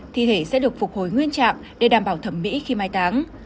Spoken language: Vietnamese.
thi thể sẽ được phục hồi nguyên trạng để đảm bảo thẩm mỹ khi mai táng